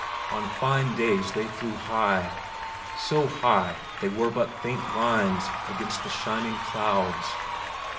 On fine days they flew high so high they were but faint lines against the shining clouds.